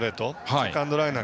セカンドライナー